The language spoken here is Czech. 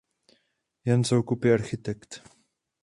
Jan Soukup je architekt.